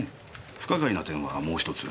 不可解な点はもう１つ。